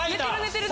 寝てる。